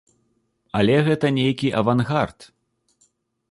Але гэта нейкі авангард.